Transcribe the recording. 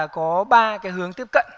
có ba cái hướng tiếp cận